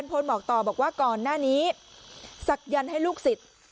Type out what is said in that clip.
พลบอกต่อบอกว่าก่อนหน้านี้ศักยันต์ให้ลูกศิษย์